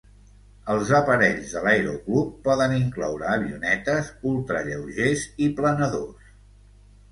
Els aparells de l'aeroclub poden incloure avionetes, ultralleugers i planadors.